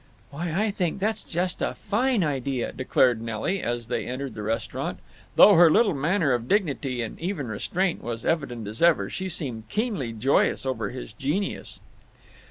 "Why, I think that's just a fine idea," declared Nelly, as they entered the restaurant. Though her little manner of dignity and even restraint was evident as ever, she seemed keenly joyous over his genius.